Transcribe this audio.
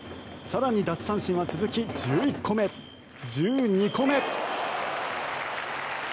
更に奪三振は続き１１個目、１２個目。